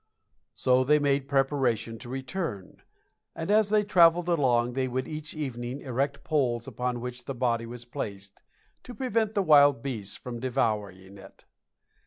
So they made preparation to return, and as they traveled along they would each evening erect poles upon which the body was placed, to prevent the wild beasts from devouring it.